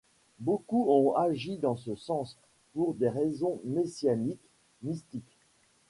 Beaucoup ont agis dans ce sens pour des raisons messianiques mystiques.